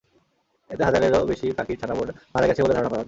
এতে হাজারেরও বেশি পাখির ছানা মারা গেছে বলে ধারণা করা হচ্ছে।